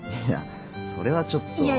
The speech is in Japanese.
いやそれはちょっと。